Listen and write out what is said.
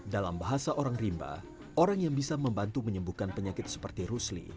dalam bahasa orang rimba orang yang bisa membantu menyembuhkan penyakit seperti rusli